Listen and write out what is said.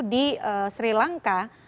di sri lanka